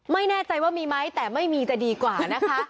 ไม่แน่ใจว่ามีไหมแต่ไม่มีจะดีกว่านะคะ